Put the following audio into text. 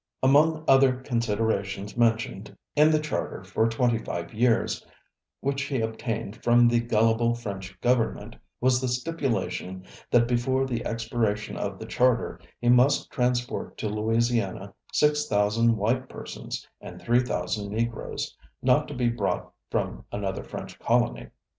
Among other considerations mentioned in the charter for twenty five years, which he obtained from the gullible French government, was the stipulation that before the expiration of the charter, he must transport to Louisiana six thousand white persons, and three thousand Negroes, not to be brought from another French colony.